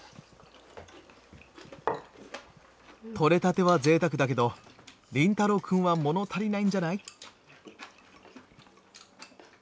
取れたてはぜいたくだけど凛太郎くんはもの足りないんじゃない？